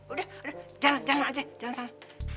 udah udah jalan jalan mak haji jalan sana